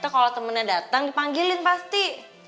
kalo temennya dateng dipanggilin pasti